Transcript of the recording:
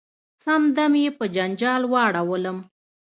سم دم یې په جنجال واړولم .